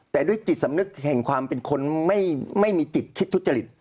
แต่ด้วยจิตสำนึกแห่งความเป็นคนไม่มีจิตคิดทุจริต